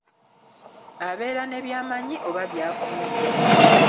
Abeera ne by'amanyi oba by'afunye.